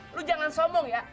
lu jangan sombong ya